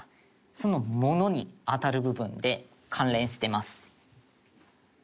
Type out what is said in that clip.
「その物に当たる部分で関連してます」